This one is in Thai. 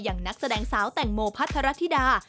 อย่างนักแสดงสาวแต่งโมพัทรทรทิดา